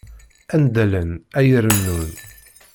Anda llan, ay rennun.